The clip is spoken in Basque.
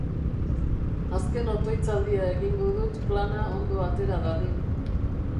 Azken otoitzaldia egingo dut plana ondo atera dadin.